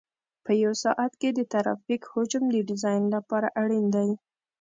په یو ساعت کې د ترافیک حجم د ډیزاین لپاره اړین دی